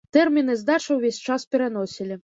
Тэрміны здачы ўвесь час пераносілі.